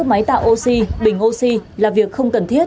máy tạo oxy bình oxy là việc không cần thiết